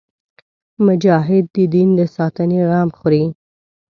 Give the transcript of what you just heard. مجاهد د دین د ساتنې غم خوري.